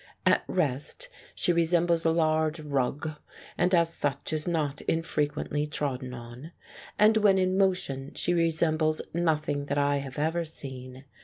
At rest she re sembles a large rug (and as such is not infrequently trodden on), and when in motion she resembles nothing that I have ever seen.